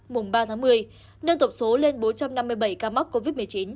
mùng ba tháng một mươi nâng tổng số lên bốn trăm năm mươi bảy ca mắc covid một mươi chín